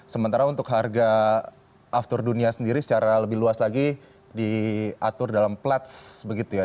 sementara untuk harga aftur dunia sendiri secara lebih luas lagi diatur dalam pledge